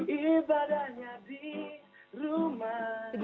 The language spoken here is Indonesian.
ibadahnya di rumah saja